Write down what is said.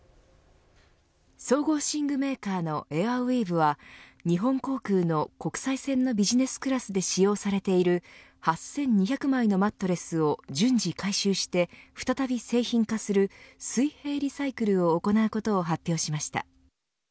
総合寝具メーカーのエアウィーヴは日本航空の国際線のビジネスクラスに使用されている８２００枚のマットレスを順次改修して再び製品化する水平リサイクルを行うことを発表しました。